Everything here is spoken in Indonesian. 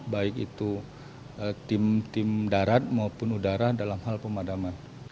baik itu tim tim darat maupun udara dalam hal pemadaman